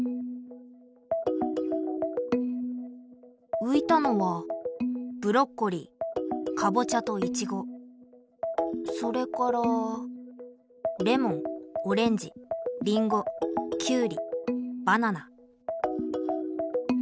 浮いたのはブロッコリーかぼちゃといちごそれからレモンオレンジりんごきゅうりバナナ。